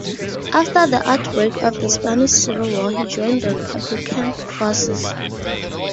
After the outbreak of the Spanish Civil War he joined the republican forces.